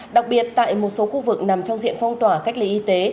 đặc biệt tại một số khu vực nằm trong diện phong tỏa cách ly y tế